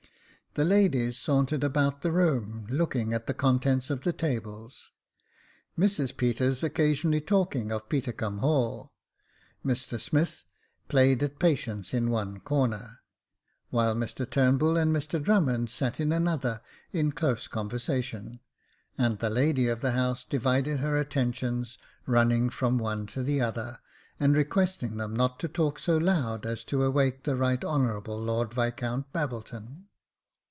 The ladies sauntered about the room, looking at the contents of the tables, Mrs Peters occasionally talking of Petercumb Hall ; Mr Smith played at patience in one corner; while Mr Turnbull and Mr Drummond sat in another in close conversation ; and the lady of the house divided her attentions, running from one 144 Jacob Faithful to the other, and requesting them not to talk so loud as to awake the Right Honourable Lord Viscount Eabbleton.